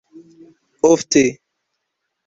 ofte